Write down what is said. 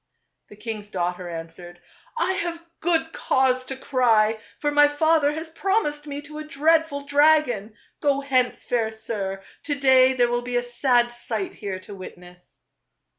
" The king's daughter answered, " I have good cause to cry, for my father has promised me to a dreadful dragon. Go hence, fair sir ; to day there will be a sad sight here to witness."